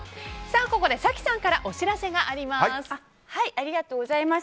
ここで早紀さんからお知らせがあります。